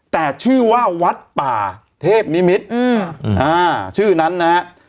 แต่ชื่อว่าวัดป่าเทพนิมิตรชื่อนั้นนะฮะ